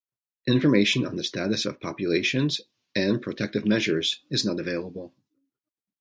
Information on the status of populations and protective measures is not available.